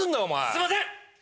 すいません！